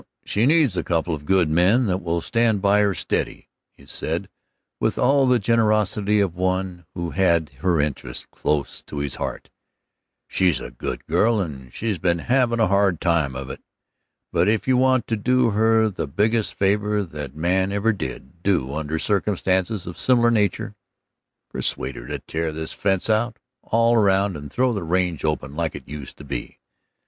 "Well, she needs a couple of good men that will stand by her steady," he said, with all the generosity of one who had her interests close to his heart. "She's a good girl, and she's been havin' a hard time of it. But if you want to do her the biggest favor that a man ever did do under circumstances of similar nature, persuade her to tear this fence out, all around, and throw the range open like it used to be.